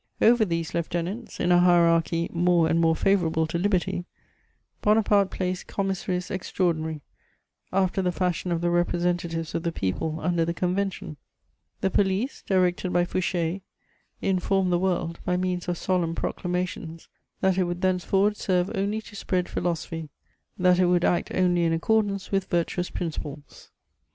Over these lieutenants, in a hierarchy "more and more favourable to liberty," Bonaparte placed commissaries extraordinary, after the fashion of the representatives of the people under the Convention. [Sidenote: The hundred days.] The police, directed by Fouché, informed the world, by means of solemn proclamations, that it would thenceforward serve only to spread philosophy, that it would act only in accordance with virtuous principles.